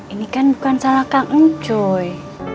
ini kan bukan salah kangen cuy